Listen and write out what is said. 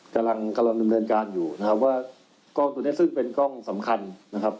กำลังกำลังดำเนินการอยู่นะครับว่ากล้องตัวนี้ซึ่งเป็นกล้องสำคัญนะครับ